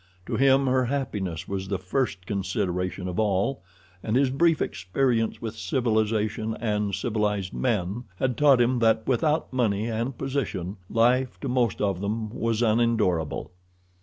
To him her happiness was the first consideration of all, and his brief experience with civilization and civilized men had taught him that without money and position life to most of them was unendurable.